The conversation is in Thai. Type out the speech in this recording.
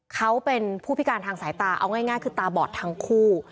เขาเป็นผู้พิการทางสายตาเอาง่ายคือตาบอดทั้งคู่